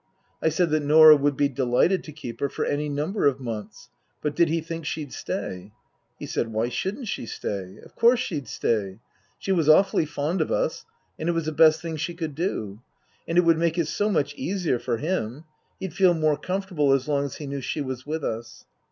I said that Norah would be delighted to keep her for any number of months. But did he think she'd stay ? He said why shouldn't she stay ? Of course she'd stay. She was awfully fond of us and it was the best thing she could do. And it would make it so much easier for him. He'd feel more comfortable as long as he knew she was with us.